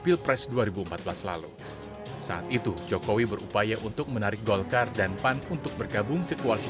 pilpres dua ribu empat belas lalu saat itu jokowi berupaya untuk menarik golkar dan pan untuk bergabung ke koalisi